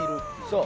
そう。